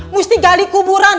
mesti gali kuburan